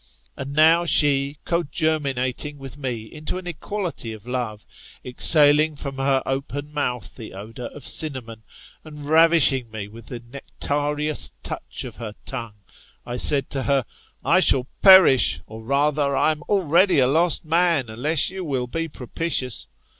And now she^ cogerminating with me into an equality of love, exhaling from her open mouth the odour of cinnamon, and ravishing me with the nectareou^ touch of her tongue, I said to her, I shall Gohbku ASS, 6t A#OLJuUs. — 6001c II. t| m perish, or rather I am already a lost man, unless you viH he propitious.